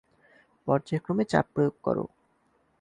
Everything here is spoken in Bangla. পর্যায়ক্রমে চাপ প্রয়োগ করো।